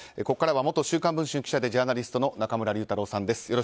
ここからは元「週刊文春」記者でジャーナリストの中村竜太郎さんです。